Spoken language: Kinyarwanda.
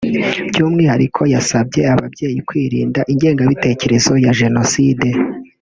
By’umwihariko yasabye ababyeyi kwirinda ingengabiterezo ya Jenoside